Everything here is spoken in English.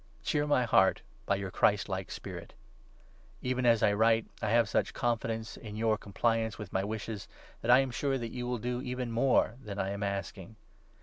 Cheer my heart by your Christlike spirit. Even as I write, I have such confidence in your compliance 21 with my wishes, that I am sure that you will do even more than I am asking.